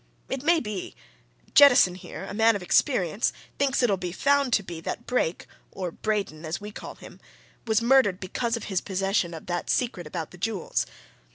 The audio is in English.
"It may be Jettison here a man of experience thinks it'll be found to be that Brake, or Braden as we call him was murdered because of his possession of that secret about the jewels.